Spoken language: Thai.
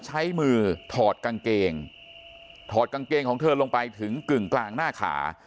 ใช้มือถอดกางเกงถอดกางเกงของเธอลงไปถึงกึ่งกลางหน้าขา